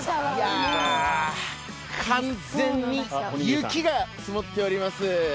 いやぁ完全に雪が積もっております。